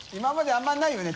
あんまりないよね？